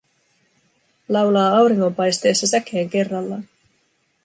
Laulaa auringonpaisteessa säkeen kerrallaan.